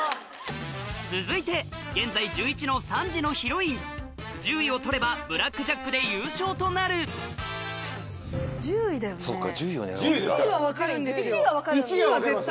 続いて現在１１の３時のヒロイン１０位を取ればブラックジャックで優勝となる１０位だよね。